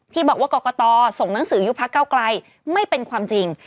ที่บอกว่ากรกตส่งหนังสือยุบพักเก้าไกลไม่เป็นความจริง